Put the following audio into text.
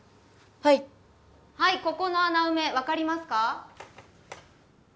はいはいここの穴埋め分かりますか？